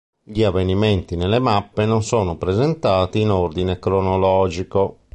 Gli avvenimenti nelle mappe non sono presentati in ordine cronologico.